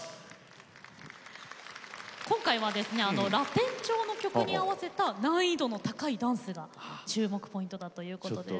今回はラテン調の曲に合わせた難易度の高いダンスが注目ポイントだということです。